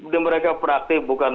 dan mereka praktik bukan